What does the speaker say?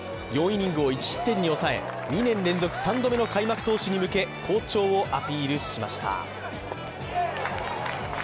４イニングを１失点を抑え、２年連続３度目の開幕投手に向け好調をアピールしました。